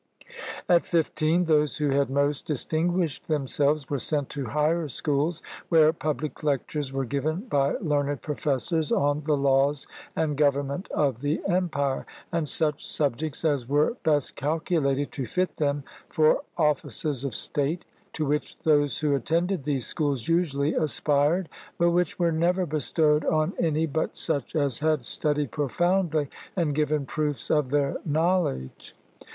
At fifteen, those who had most distinguished themselves were sent to higher schools, where pubHc lectures were given by learned professors on the laws and government of the empire, and such subjects as were best calculated to fit them for ofiices of state, to which those who attended these schools usually aspired, but which were never bestowed on any but such as had studied profoundly and given proofs of their knowledge.